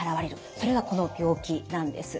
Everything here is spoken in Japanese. それがこの病気なんです。